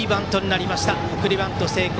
送りバント成功。